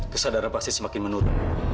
kesadaran pasti semakin menurun